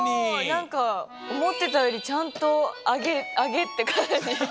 なんかおもってたよりちゃんとあげあげってかんじ。